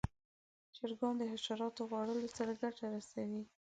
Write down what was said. چرګان د حشراتو خوړلو سره ګټه رسوي.